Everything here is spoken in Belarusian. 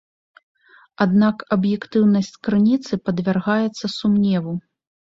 Аднак аб'ектыўнасць крыніцы падвяргаецца сумневу.